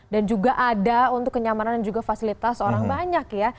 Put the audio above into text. dan juga ada untuk kenyamanan dan juga fasilitas orang banyak ya